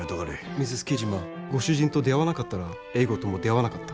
Ｍｒｓ．Ｋｉｊｉｍａ．ご主人と出会わなかったら英語とも出会わなかった。